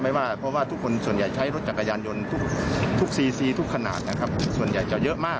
ไม่ว่าเพราะว่าทุกคนส่วนใหญ่ใช้รถจักรยานยนต์ทุกทุกซีซีทุกขนาดนะครับส่วนใหญ่จะเยอะมาก